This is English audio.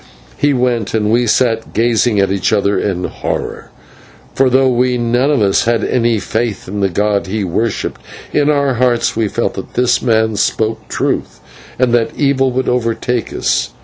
He went, and we sat gazing at each other in horror, for though we none of us had any faith in the god he worshipped, in our hearts we felt that this man spoke truth, and that evil would overtake us.